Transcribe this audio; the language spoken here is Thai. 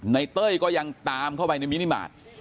เต้ยก็ยังตามเข้าไปในมินิมาตร